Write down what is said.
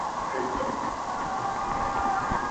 مصیبت دي پر وېښتانو راوستلی؟؛